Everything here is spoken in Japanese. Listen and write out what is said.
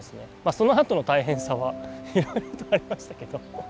そのあとの大変さはいろいろとありましたけど。